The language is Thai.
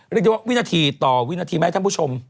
เรียกได้ว่าวินาทีต่อวินาทีไหมท่านผู้ชม